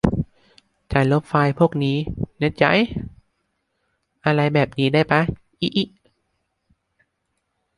"จะลบไฟล์พวกนี้ แน่ใจ๊ ?" อะไรแบบนี้ได้ป่ะ อิอิ